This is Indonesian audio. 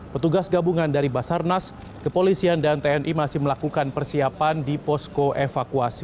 petugas gabungan dari basarnas kepolisian dan tni masih melakukan persiapan di posko evakuasi